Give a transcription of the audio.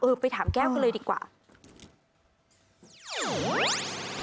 ไปถามแก้วกันเลยดีกว่า